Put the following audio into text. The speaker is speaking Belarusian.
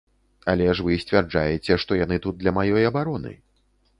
Але ж вы сцвярджаеце, што яны тут для маёй абароны.